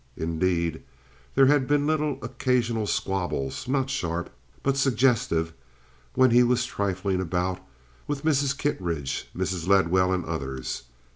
Indeed, there had been little occasional squabbles, not sharp, but suggestive, when he was trifling about with Mrs. Kittridge, Mrs. Ledwell, and others.